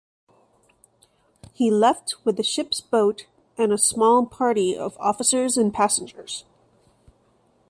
He left with the ship's boat and a small party of officers and passengers.